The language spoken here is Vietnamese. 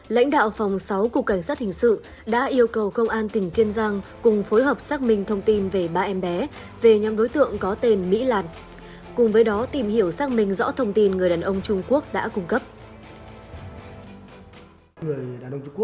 lãnh đạo cục cảnh sát hình sự đã báo cáo với lãnh đạo tổng cục lãnh đạo bộ để kịp thời giải cứu ba cháu nhỏ